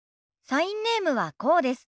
サインネームはこうです。